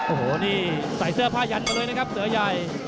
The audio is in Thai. โอ้โหนี่ใส่เสื้อผ้าหยันไปเลยนะครับสยาย